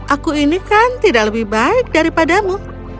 aku ini kan tidak lebih baik daripadamu